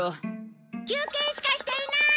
休憩しかしていない！